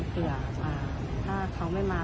เผื่อถ้าเขาไม่มา